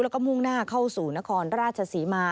แล้วก็มุ่งหน้าเข้าสู่นครราชศรีมา